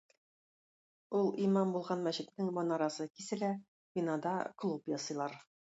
Ул имам булган мәчетнең манарасы киселә, бинада клуб ясыйлар.